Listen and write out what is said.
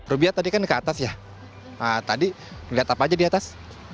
rubia tadi kan di atas ya tadi melihat apa aja di atas